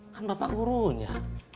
kan bapak gurunya